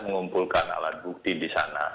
mengumpulkan alat bukti di sana